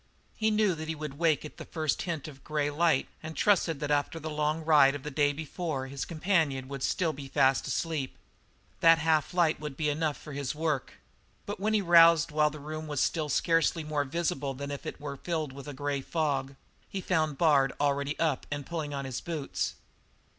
He knew that he would wake at the first hint of grey light and trusted that after the long ride of the day before his companion would still be fast asleep. That half light would be enough for his work; but when he roused while the room was still scarcely more visible than if it were filled with a grey fog, he found Bard already up and pulling on his boots.